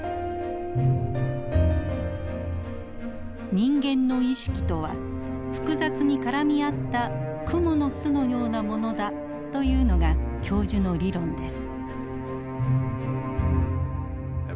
人間の意識とは複雑に絡み合ったくもの巣のようなものだというのが教授の理論です。